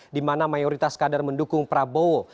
di mana mayoritas kader mendukung prabowo